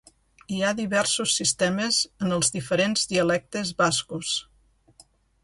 Hi ha diversos sistemes en els diferents dialectes bascos.